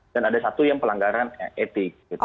dan ada satu yang pelanggaran etik